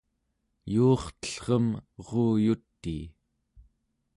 yuurtellrem eruyutii